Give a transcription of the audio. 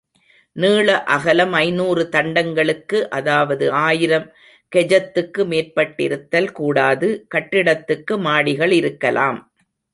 நீள அகலம் ஐநூறு தண்டங்களுக்கு, அதாவது ஆயிரம் கெஜத்துக்கு மேற்பட்டிருத்தல் கூடாது, கட்டிடத்துக்கு மாடிகள் இருக்கலாம்.